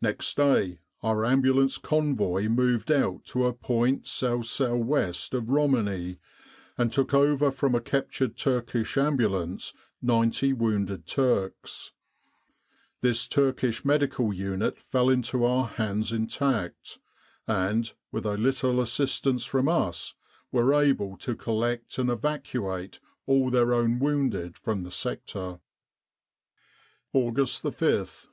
"Next day our Ambulance Convoy moved out to a point S.S.W. of Romani, and took over from a captured Turkish ambulance 90 wounded Turks. This Turkish medical unit fell into our hands intact, and, with a little assistance from us, were able to collect and evacuate all their own wounded from the sector. "August 5th.